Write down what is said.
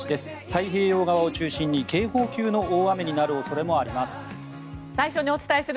太平洋側を中心に警報級の大雨になる恐れもあります。